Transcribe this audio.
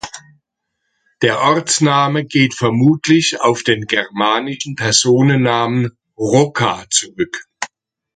Der Ortsname geht vermutlich auf den germanischen Personennamen "Roca" zurück.